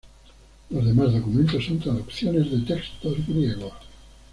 Los demás documentos son traducciones de textos griegos.